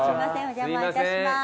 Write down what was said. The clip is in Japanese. お邪魔いたします。